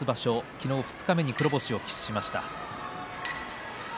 昨日二日目に黒星を喫しました。